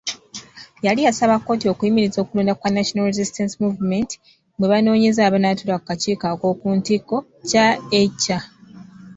Yali yasaba kkooti okuyimiriza okulonda kwa National Resistance Movement mwe banoonyeza abanatuula ku kakiiko ak’okuntikko CEC.